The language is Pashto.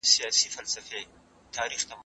زه دومره ستړی یم چې مرګ نه وینم.